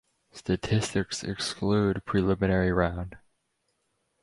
Statistics exclude preliminary round.